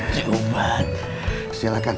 terima kasih bang